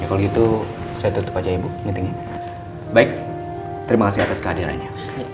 kalau gitu saya tutup aja ya bu meeting baik terima kasih atas kehadirannya